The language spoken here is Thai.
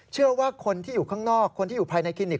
เชื่อว่าคนที่อยู่ข้างนอกคนที่อยู่ภายในคลินิก